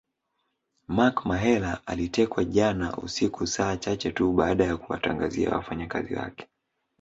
Mark Mahela alitekwa jana usiku saa chache tu baada ya kuwatangazia wafanyakazi wake